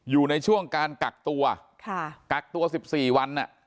อยู่ในช่วงการกักตัว๑๔วัน